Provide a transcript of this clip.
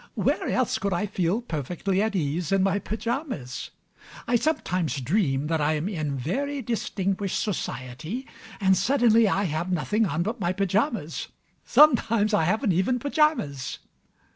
Where else could I feel perfectly at ease in my pyjamas? I sometimes dream that I am in very distinguished society, and suddenly I have nothing on but my pyjamas! Sometimes I haven't even pyjamas.